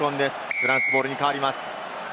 フランスボールに変わります。